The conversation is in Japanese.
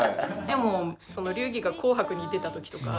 でも龍儀が紅白に出た時とか。